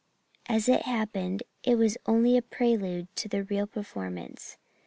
As it happened, it was only a prelude to the real performance.